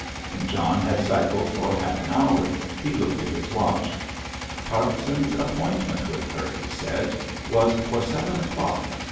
When John had cycled for half an hour he looked at his watch. "Parkson's appointment with her," he said, "was for seven o'clock.